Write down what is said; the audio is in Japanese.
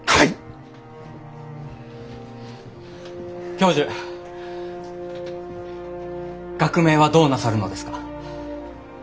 教授学名はどうなさるのですか？